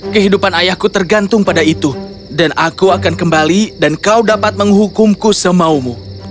kehidupan ayahku tergantung pada itu dan aku akan kembali dan kau dapat menghukumku semaumu